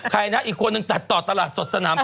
ใครนะอีกคนนึงตัดต่อตลาดสดสนาม